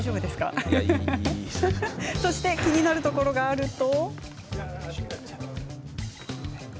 そして気になるところがあると。